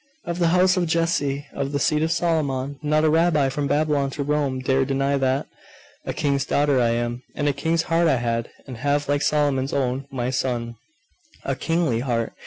'Of the house of Jesse, of the seed of Solomon; not a rabbi from Babylon to Rome dare deny that! A king's daughter I am, and a king's heart I had, and have, like Solomon's own, my son!.... A kingly heart....